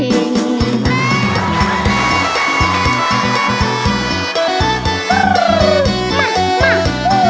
ให้ทุกชีวิตได้สุขจีน